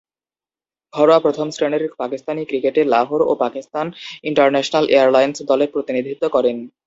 ঘরোয়া প্রথম-শ্রেণীর পাকিস্তানি ক্রিকেটে লাহোর ও পাকিস্তান ইন্টারন্যাশনাল এয়ারলাইন্স দলের প্রতিনিধিত্ব করেন।